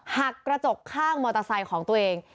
กระจกข้างมอเตอร์ไซค์ของตัวเอง